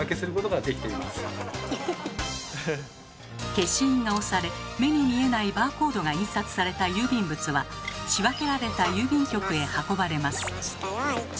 消印が押され目に見えないバーコードが印刷された郵便物は仕分けられた郵便局へ運ばれます。